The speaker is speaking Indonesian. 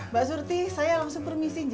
mbak surti saya langsung permisi